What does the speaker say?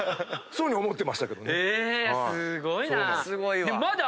すごいな。